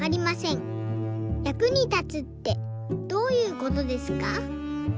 役に立つってどういうことですか？」。